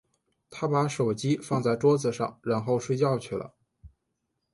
她把手机放在桌子上，然后睡觉去了。